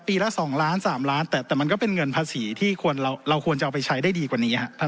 ละ๒ล้าน๓ล้านแต่มันก็เป็นเงินภาษีที่เราควรจะเอาไปใช้ได้ดีกว่านี้ครับ